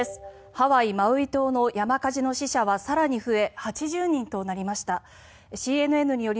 ハワイ・マウイ島の山火事の死者は更に増え